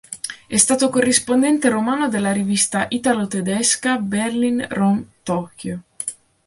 È stato corrispondente romano della rivista italo-tedesca "Berlin Rom Tokio".